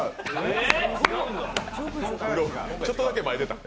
ちょっとだけ前出た。